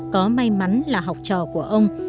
có may mắn là học trò của ông